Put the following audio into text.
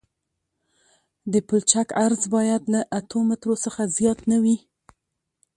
د پلچک عرض باید له اتو مترو څخه زیات نه وي